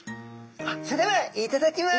それでは頂きます。